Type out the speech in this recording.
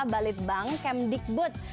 kepala balitbang kemdikbud